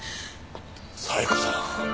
冴子さん。